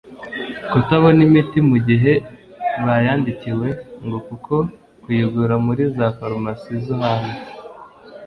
kutabona imiti mu gihe bayandikiwe ngo kuko kuyigura muri za farumasi zo hanze